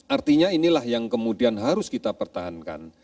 artinya inilah yang kemudian harus kita pertahankan